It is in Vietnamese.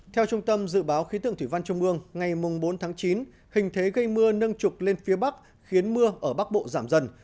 theo trung tâm dự báo khí tượng thủy văn trung ương ngày bốn tháng chín hình thế gây mưa nâng trục lên phía bắc khiến mưa ở bắc bộ giảm dần